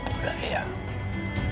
kita akan melakukan tipu daya